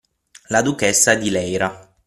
La duchessa di Leyra.